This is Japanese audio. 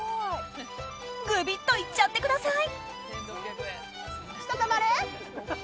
ぐびっといっちゃってください！